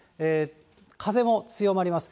風も強まります。